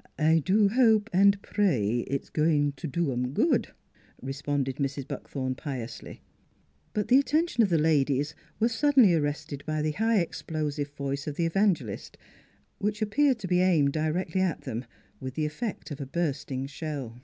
" I do hope an' pray it's goin' t' do 'em good," responded Mrs. Buckthorn piously. But the attention of the ladies was suddenly arrested by the high explosive voice of the evan gelist, which appeared to be aimed directly at them, with the effect of a bursting shell.